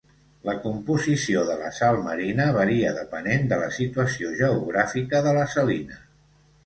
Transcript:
La composició de la sal marina varia depenent de la situació geogràfica de la salina.